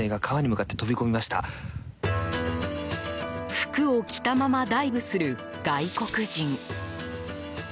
服を着たままダイブする外国人。